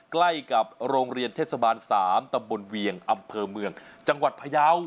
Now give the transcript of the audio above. ใกล้กับโรงเรียนเทศบาล๓ตำบลเวียงอำเภอเมืองจังหวัดพยาว